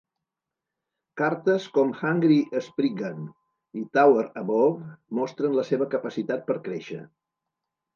Cartes com Hungry Spriggan i Tower Above mostren la seva capacitat per créixer.